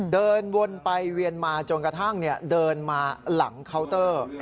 เดินวนไปเวียนมาจนกระทั่งเดินมาหลังเคาน์เตอร์